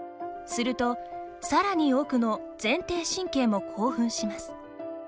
すると、さらに奥の前庭神経も興奮します。